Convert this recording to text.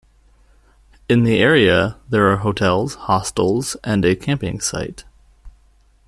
In the area there are hotels, hostels, and a camping site.